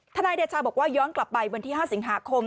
นายเดชาบอกว่าย้อนกลับไปวันที่๕สิงหาคม